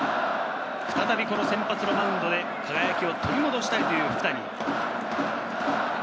再び先発のマウンドで輝きを取り戻したいという福谷。